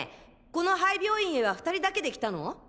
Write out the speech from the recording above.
この廃病院へは２人だけで来たの？